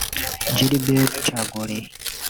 Gilbert Chagoury